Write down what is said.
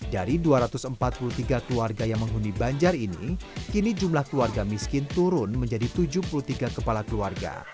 dari dua ratus empat puluh tiga keluarga yang menghuni banjar ini kini jumlah keluarga miskin turun menjadi tujuh puluh tiga kepala keluarga